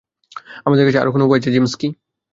আমাদের কাছে আর কোনও উপায় আছে, যিমস্কি?